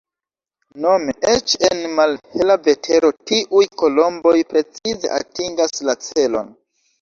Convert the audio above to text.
Nome eĉ en malhela vetero tiuj kolomboj precize atingas la celon.